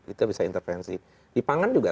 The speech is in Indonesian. kita bisa intervensi di pangan juga